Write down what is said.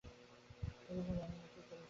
সে বললে, কিছু জানি নে, কী করেছি।